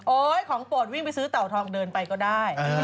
ของโปรดวิ่งไปซื้อเต่าทองเดินไปก็ได้